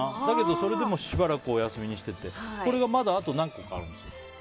それでもしばらくお休みしててこれがまだあと何個かあるんです。